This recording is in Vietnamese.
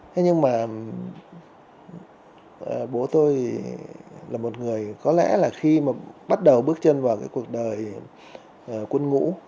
thế nhưng mà bố tôi thì là một người có lẽ là khi mà bắt đầu bước chân vào cái cuộc đời quân ngũ